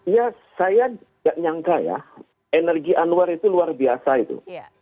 ya saya tidak nyangka ya energi anwar itu luar biasa itu